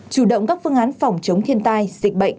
chủ động các phương án phòng chống thiên tai dịch bệnh